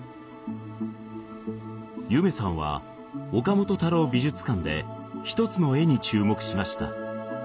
夢さんは岡本太郎美術館で一つの絵に注目しました。